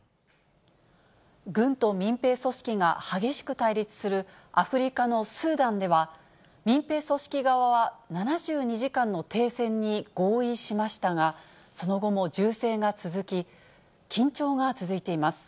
軍と民兵組織が激しく対立するアフリカのスーダンでは、民兵組織側は７２時間の停戦に合意しましたが、その後も銃声が続き、緊張が続いています。